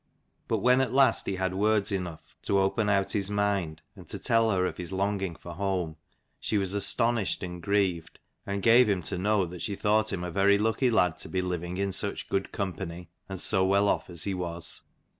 But when at last he had words enough to open out his mind, and to tell her of his longing for home, she was astonished and grieved, and gave him to know that she thought him a very lucky lad to be living in such good company and so well off as he was.